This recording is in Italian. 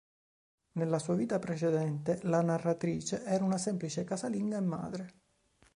Nella sua vita precedente, la narratrice era una semplice casalinga e madre.